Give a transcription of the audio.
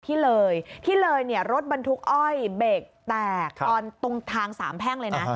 ที่เลยที่เลยเนี่ยรถบรรทุกอ้อยเบรกแตกตอนตรงทางสามแพ่งเลยนะ